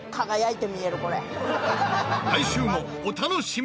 来週もお楽しみに！